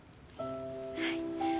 はい。